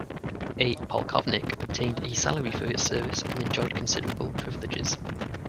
A "polkovnyk" obtained a salary for his service, and enjoyed considerable privileges.